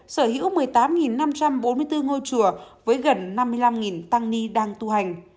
sở hữu một mươi tám năm trăm bốn mươi bốn ngôi chùa với gần năm mươi năm tăng ni đang tu hành